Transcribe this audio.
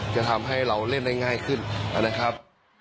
จะทำให้เราเล่นได้ง่ายขึ้นนะครับ